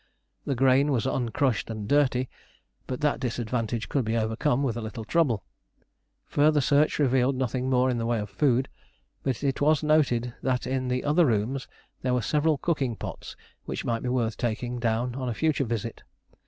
The grain was uncrushed and dirty, but that disadvantage could be overcome with a little trouble. Further search revealed nothing more in the way of food, but it was noted that in other rooms there were several cooking pots which might be worth taking down on a future visit.